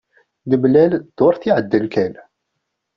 Nemlal dduṛt iɛeddan kan.